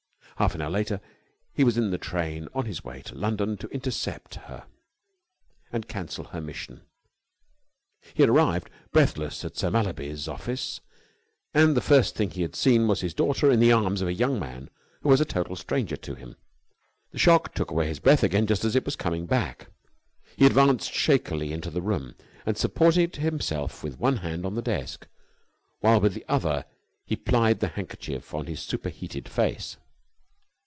Half an hour later he was in the train, on his way to London to intercept her and cancel her mission. He had arrived, breathless at Sir Mallaby's office, and the first thing he had seen was his daughter in the arms of a young man who was a total stranger to him. The shock took away his breath again just as it was coming back. He advanced shakily into the room, and supported himself with one hand on the desk, while with the other he plied the handkerchief on his super heated face.